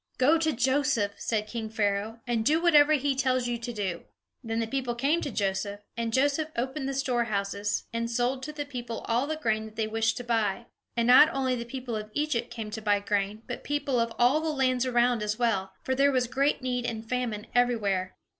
"Go to Joseph!" said king Pharaoh, "and do whatever he tells you to do." Then the people came to Joseph, and Joseph opened the storehouses, and sold to the people all the grain that they wished to buy. And not only the people of Egypt came to buy grain, but people of all the lands around as well, for there was great need and famine everywhere.